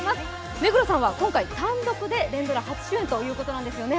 目黒さんは今回、単独で連ドラ初主演ということですね？